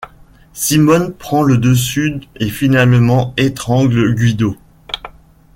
Simone prend le dessus et finalement étrangle Guido.